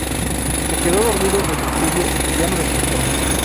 Se quedó dormido en su estudio y ya no despertó.